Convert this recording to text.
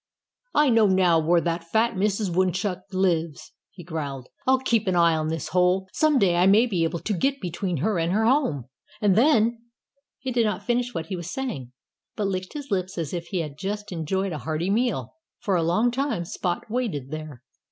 "I know now where that fat Mrs. Woodchuck lives," he growled. "I'll keep an eye on this hole. Some day I may be able to get between her and her home. And then " He did not finish what he was saying, but licked his lips as if he had just enjoyed a hearty meal. For a long time Spot waited there.